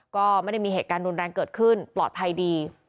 ก็ไม่ได้มีเหตุการณ์รุนแรงเกิดขึ้นปลอดภัยดี